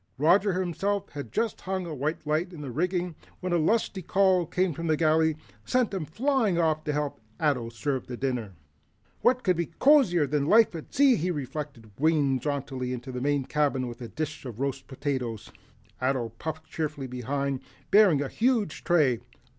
Roger himself had just hung a white light in the rigging when a lusty call from the galley sent him flying off to help Ato serve the dinner. "What could be cozier than a life at sea?" he reflected, winging jauntily into the main cabin with a dish of roast potatoes. Ato puffed cheerfully behind, bearing a huge tray.